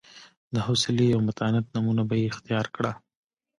د حوصلې او متانت نمونه به یې اختیار کړه.